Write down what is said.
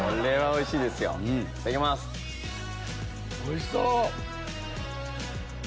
おいしそう！